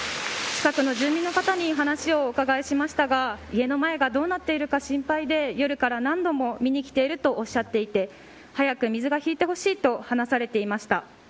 近くの住民の方に話をお伺いしましたが家の前がどうなっているか心配で夜から何度も見に来ているとおっしゃっていて早く水が引いてほしいと話されていました。